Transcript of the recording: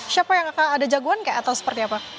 siapa yang akan ada jagoan kayak atau seperti apa